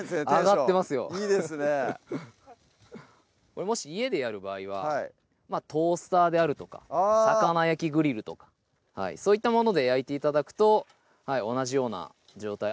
これもし家でやる場合はトースターであるとか魚焼きグリルとかそういったもので焼いて頂くと同じような状態